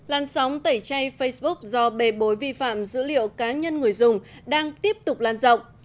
làn sóng tẩy chay facebook do bề bối vi phạm dữ liệu cá nhân người dùng đang tiếp tục lan rộng